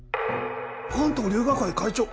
「関東龍牙会会長」！？